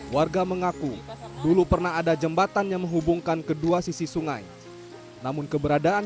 warga mengaku dulu pernah ada jembatan yang menghubungkan kedua sisi sungai namun keberadaan